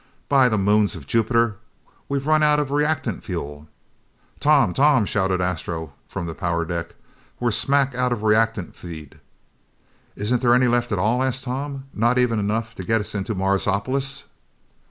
"By the moons of Jupiter, we've run out of reactant fuel!" "Tom! Tom!" shouted Astro from the power deck. "We're smack out of reactant feed!" "Isn't there any left at all?" asked Tom. "Not even enough to get us into Marsopolis?"